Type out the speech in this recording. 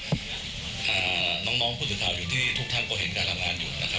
แต่ว่าน้องผู้สุดท้าทุกท่านก็เห็นการทำงานอยู่นะครับ